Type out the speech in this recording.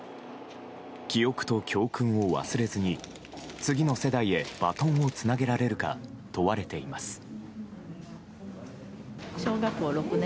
記憶と教訓を忘れずに次の世代へバトンをつなげられるか問われています。